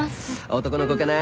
男の子かな？